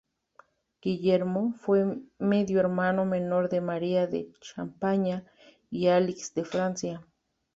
Guillermo fue medio hermano menor de María de Champaña y Alix de Francia.